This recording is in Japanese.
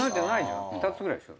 ２つぐらいでしょ？